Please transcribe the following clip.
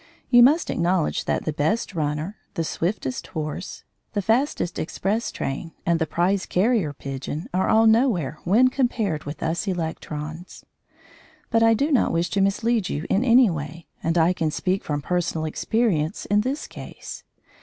You must acknowledge that the best runner, the swiftest horse, the fastest express train, and the prize carrier pigeon, are all nowhere when compared with us electrons. But I do not wish to mislead you in any way, and I can speak from personal experience in this case.